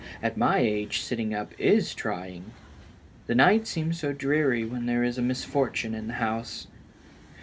At my age sitting up is trying. The night seems so dreary when there is a misfortune in the house.